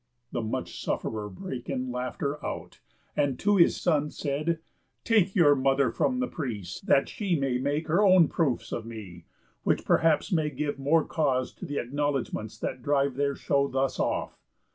The much suff'rer brake In laughter out, and to his son said: "Take Your mother from the prease, that she may make Her own proofs of me, which perhaps may give More cause to the acknowledgments that drive Their show thus off.